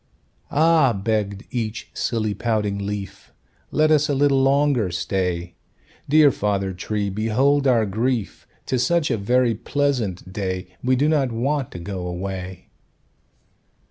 "Ah!" begged each silly, pouting leaf, "Let us a little longer stay; Dear Father Tree, behold our grief! 'Tis such a very pleasant day, We do not want to go away."